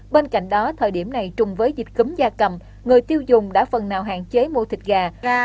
bên cạnh đó thời điểm này trùng với dịch cúm da cầm người tiêu dùng đã phần nào hạn chế mua thịt gà